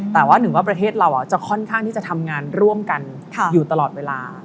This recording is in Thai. แต่ว่าหนึ่งว่าประเทศเราจะค่อนข้างที่จะทำงานร่วมกันอยู่ตลอดเวลา